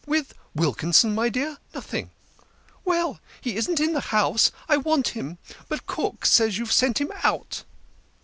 "With Wilkinson, my dear? Nothing." " Well, he isn't in the house. I want him, but cook says you've sent him out."